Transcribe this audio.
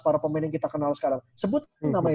para pemain yang kita kenal sekarang sebut nama yang